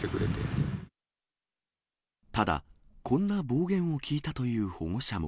ただ、こんな暴言を聞いたという保護者も。